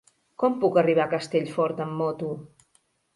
Com puc arribar a Castellfort amb moto?